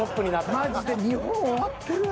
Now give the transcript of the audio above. マジで日本終わってるわ。